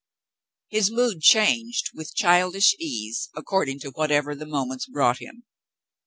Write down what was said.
His mood changed with childish ease according to what ever the moments brought him.